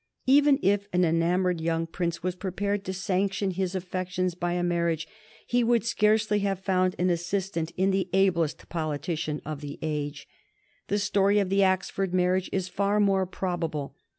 Even if an enamoured young Prince were prepared to sanction his affections by a marriage, he would scarcely have found an assistant in the ablest politician of the age. The story of the Axford marriage is far more probable.